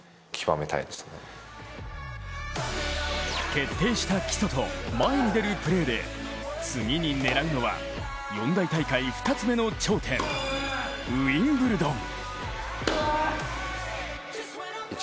徹底した基礎と前に出るプレーで次に狙うのは四大大会２つ目の頂点、ウィンブルドン。